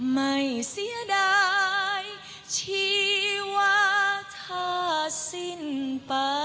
ไม่เสียดายชีว่าถ้าสิ้นไป